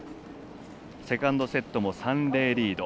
セカンドセットも３−０リード。